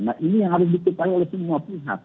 nah ini yang harus diketahui oleh semua pihak